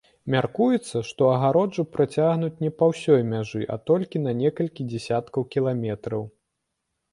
Мяркуецца, што агароджу працягнуць не па ўсёй мяжы, а толькі на некалькі дзясяткаў кіламетраў.